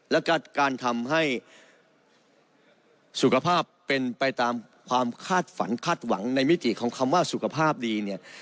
แล้วก็การทำให้สุขภาพเป็นไปตามความคาดฝันคาดหวังในมิติของคำว่าสุขภาพดีเนี่ย